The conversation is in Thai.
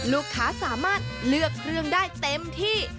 ลูกค้าสามารถเลือกเครื่องได้เต็มที่